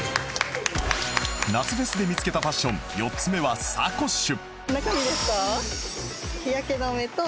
夏フェスで見つけたファッション４つ目はサコッシュ